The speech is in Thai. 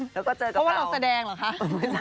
เพราะว่าเราแสดงเหรอคะ